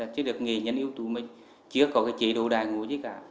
chứ được nghề nhân yếu tố mới chưa có cái chế độ đàn ngủ chứ cả